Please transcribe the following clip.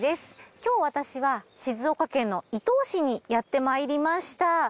今日私は静岡県の伊東市にやってまいりました。